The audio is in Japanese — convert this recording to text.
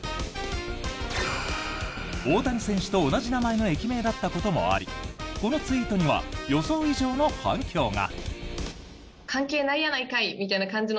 大谷選手と同じ名前の駅名だったこともありこのツイートには予想以上の反響が。